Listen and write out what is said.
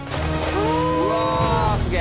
うわすげえ。